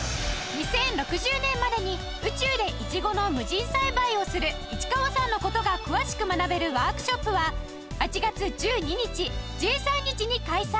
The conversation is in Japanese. ２０６０年までに宇宙でイチゴの無人栽培をする市川さんの事が詳しく学べるワークショップは８月１２日１３日に開催